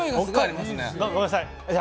ごめんなさい。